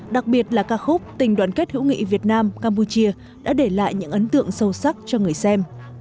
đặc biệt là ca khúc tình đoàn kết hữu nghị việt nam campuchia đã để lại những ấn tượng sâu sắc cho người xem